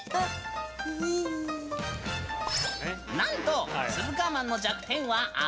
なんとスズカーマンの弱点は油！